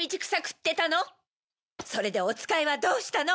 それでお使いはどうしたの？